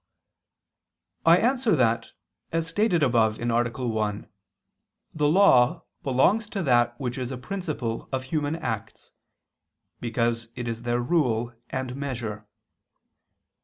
I answer that, As stated above (A. 1), the law belongs to that which is a principle of human acts, because it is their rule and measure.